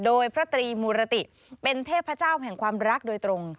โดยพระตรีมูรติเป็นเทพเจ้าแห่งความรักโดยตรง